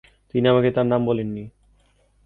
তিনি আমাকে তাঁর নাম বলেননি।